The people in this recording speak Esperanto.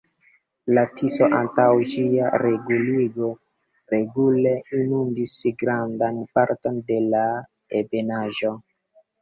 La Tiso antaŭ ĝia reguligo regule inundis grandan parton de la Ebenaĵo.